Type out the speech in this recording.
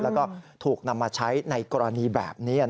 แล้วก็ถูกนำมาใช้ในกรณีแบบนี้